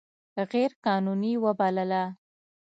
غیر قانوني وبلله.